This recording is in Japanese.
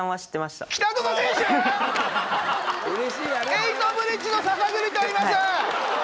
エイトブリッジの篠栗といいます！